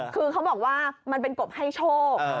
คือเขาบอกว่ามันเป็นกบให้โชค